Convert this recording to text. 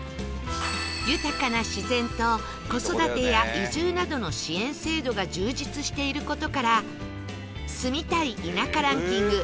豊かな自然と子育てや移住などの支援制度が充実している事から住みたい田舎ランキング